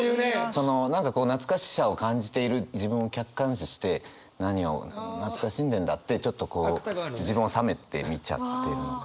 その何かこう懐かしさを感じている自分を客観視して「何を懐かしんでんだ」ってちょっとこう自分を冷めて見ちゃってるのかな。